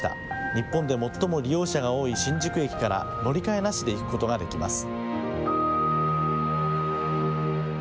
日本で最も利用者が多い新宿駅から乗り換えなしで行くことができます。